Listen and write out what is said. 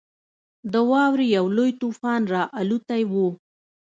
د واورې یو لوی طوفان راالوتی وو.